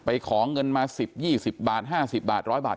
ขอเงินมา๑๐๒๐บาท๕๐บาท๑๐๐บาท